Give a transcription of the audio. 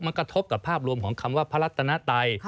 มันกระทบกับภาพรวมของคำว่าพระรัตนาไตย